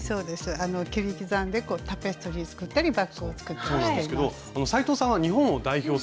切り刻んでタペストリー作ったりバッグを作ったりしています。